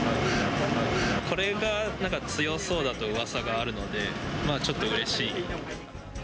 これがなんか強そうだとうわさがあるので、まあちょっとうれしい。